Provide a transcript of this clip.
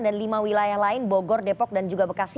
dan lima wilayah lain bogor depok dan jawa barat